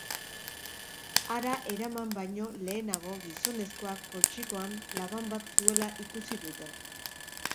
Hara eraman baino lehenago gizonezkoak poltsikoan laban bat zuela ikusi dute.